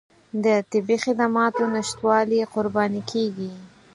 د طبي خدماتو نشتوالي قرباني کېږي.